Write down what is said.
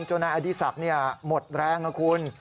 นายอดีศักดิ์หมดแรงนะคุณ